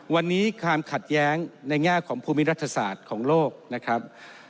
วันนี้ความขัดแย้งในแง่ของภูมิรัฐศาสตร์ของโลกนะครับ